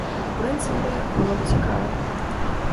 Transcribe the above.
У прынцыпе, было б цікава.